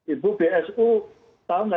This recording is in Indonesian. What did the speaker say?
ibu bsu tahu nggak